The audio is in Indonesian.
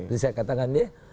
jadi saya katakan nih